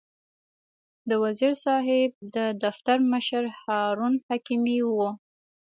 د وزیر صاحب د دفتر مشر هارون حکیمي و.